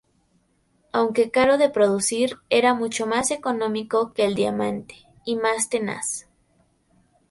Aunque caro de producir, era mucho más económico que el diamante, y más tenaz.